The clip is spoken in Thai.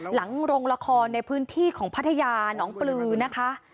หลังโรงละครในพื้นที่ของพัทยาหนองปลือนะคะ